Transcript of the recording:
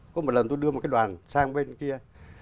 có một lần tôi đưa một cái đoàn sang bên kia